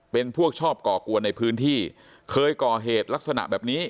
เป็นพวกชอบก่อกวนในพื้นที่เคยก่อเหตุลักษณะแบบนี้